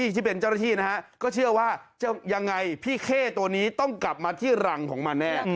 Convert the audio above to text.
ที่เป็นเจ้าหน้าที่นะฮะก็เชื่อว่าจะยังไงพี่เข้ตัวนี้ต้องกลับมาที่รังของมันแน่